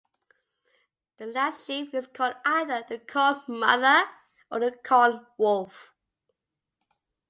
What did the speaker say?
The last sheaf is called either the Corn Mother or the Corn Wolf.